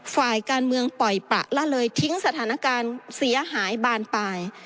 ฝ่ายการเมืองปล่อยประละเลยทิ้งสถานการณ์เสียหายบานปลาย